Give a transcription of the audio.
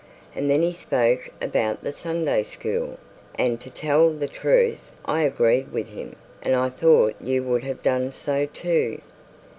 And then he spoke about the Sunday school; and to tell the truth I agreed with him; and I thought you would have done so too.